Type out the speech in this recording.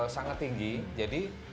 sangat tinggi jadi